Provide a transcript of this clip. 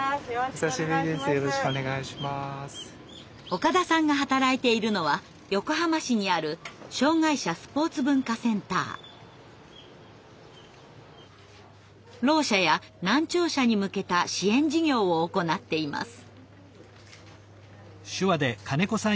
岡田さんが働いているのは横浜市にあるろう者や難聴者に向けた支援事業を行っています。